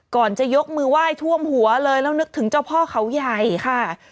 ก่อนจะยกมือไหว้ท่วมหัวเลยแล้วนึกถึงเจ้าพ่อเขาใหญ่ค่ะ